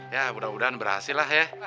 ya mudah mudahan berhasil lah ya